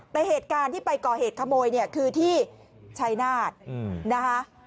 แต่เหตุการณ์ที่ไปก่อเหตุขโมยเนี่ยคือที่ชัยนาธนะคะ